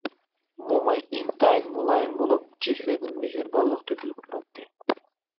موماي ئىنتايىن مۇلايىم بولۇپ، چېھرىدىن مېھرىبانلىق تۆكۈلۈپ تۇراتتى.